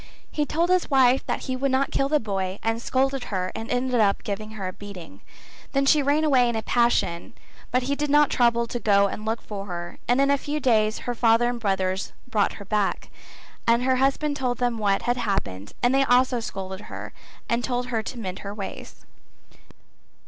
He told his wife that he would not kill the boy and scolded her and ended by giving her a beating. Then she ran away in a passion but he did not trouble to go and look for her and in a few days her father and brothers brought her back, and her husband told them what had happened and they also scolded her and told her to mend her ways.